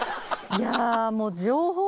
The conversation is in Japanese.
いやもう。